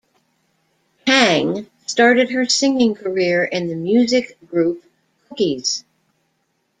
Tang started her singing career in the music group Cookies.